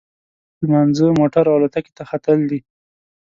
لمانځه، موټر او الوتکې ته ختل دي.